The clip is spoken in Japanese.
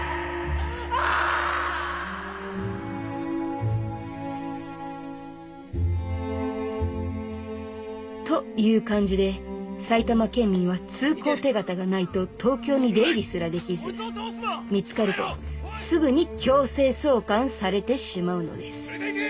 ああーっ！という感じで埼玉県民は通行手形がないと東京に出入りすらできず見つかるとすぐに強制送還されてしまうのです。